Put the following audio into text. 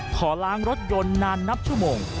ขอล้างรถยนต์นานนับชั่วโมง